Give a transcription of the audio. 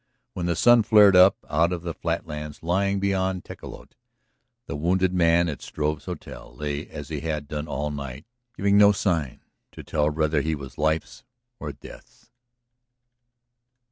When the sun flared up out of the flatlands lying beyond Tecolote the wounded man at Struve's hotel lay as he had done all night giving no sign to tell whether he was life's or death's.